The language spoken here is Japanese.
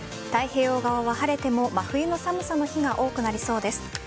太平洋側は晴れても真冬の寒さの日が多くなりそうです。